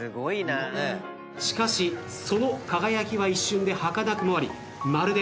しかしその輝きは一瞬ではかなくもありまるで。